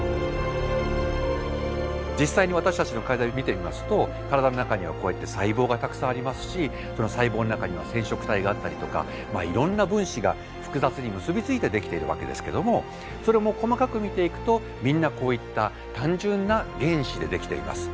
実際に私たちの体を見てみますと体の中にはこうやって細胞がたくさんありますしその細胞の中には染色体があったりとかいろんな分子が複雑に結び付いてできているわけですけどもそれも細かく見ていくとみんなこういった単純な原子でできています。